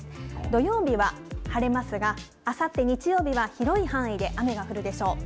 土曜日は晴れますが、あさって日曜日は広い範囲で雨が降るでしょう。